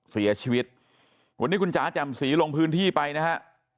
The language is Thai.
เสียชีวิตวันนี้คุณจ๋าแจ่มสีลงพื้นที่ไปนะฮะ